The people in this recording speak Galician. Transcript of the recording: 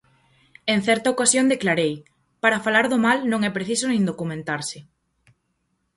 En certa ocasión declarei: para falar do Mal non é preciso nin documentarse.